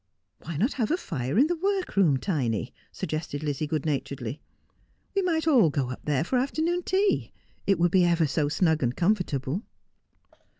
' Why not have a fire in the workroom, Tiny 1 ' suggested Lizzie good naturedly. ' We might all go up there for afternoon tea. It would be ever so snug and comfortable.'